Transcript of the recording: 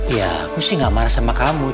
iya aku gak marah dengan kamu